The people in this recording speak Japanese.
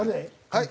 はい？